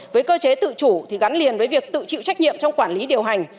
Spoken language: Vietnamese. với cơ chế tự chủ thì gắn liền với việc tự chịu trách nhiệm trong quản lý điều hành